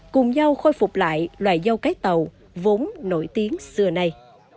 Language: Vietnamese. cùng nhau khôi phục lại loài dâu cái tàu vốn nổi tiếng xưa nay